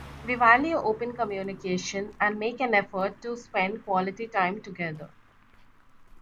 We value open communication and make an effort to spend quality time together.